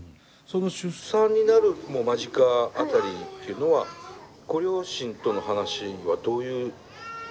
その出産になる間近辺りっていうのはご両親との話はどういう状況だったんですか？